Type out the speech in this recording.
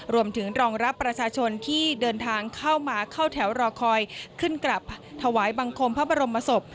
รองรับประชาชนที่เดินทางเข้ามาเข้าแถวรอคอยขึ้นกลับถวายบังคมพระบรมศพ